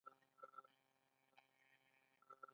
د خسر په کور کې بې غمه په تخت ناسته ده.